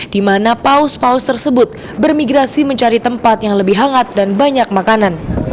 di mana paus paus tersebut bermigrasi mencari tempat yang lebih hangat dan banyak makanan